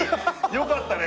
よかったね！